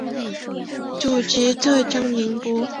祖籍浙江宁波。